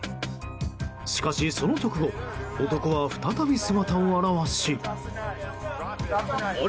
しかし、その直後男は再び姿を現し。